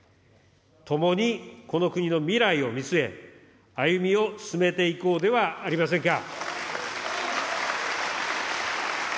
共にこの国の未来を見据え、歩みを進めていこうではありませんか。